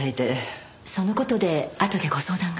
その事であとでご相談が。